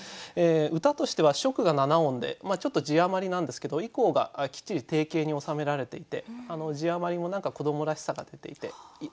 歌としては初句が７音でちょっと字余りなんですけど以降がきっちり定型に収められていて字余りも子どもらしさが出ていて楽しい歌だと思います。